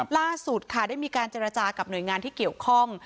ล่าสุดค่ะได้มีการเจรจากับหน่วยงานที่เกี่ยวข้อง